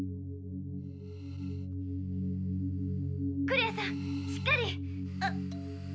クレアさんしっかり！